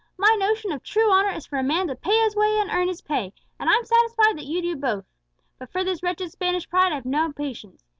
My notion of true honour is for a man to pay his way and earn his pay; and I'm satisfied that you do both. But for this wretched Spanish pride I've no patience!